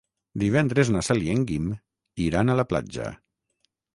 Divendres na Cel i en Guim iran a la platja.